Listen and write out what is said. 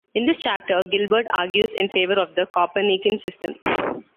In this chapter Gilbert argues in favor of the Copernican System.